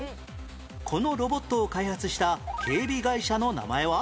このロボットを開発した警備会社の名前は？